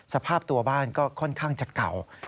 สภาพตัวบ้านก็ค่อนข้างจะเก่า